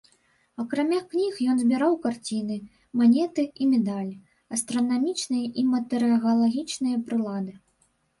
Акрамя кніг ён збіраў карціны, манеты і медалі, астранамічныя і метэаралагічныя прылады.